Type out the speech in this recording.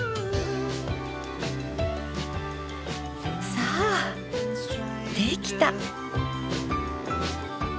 さあできた！